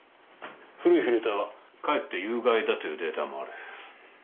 古いフィルターはかえって有害だというデータもある。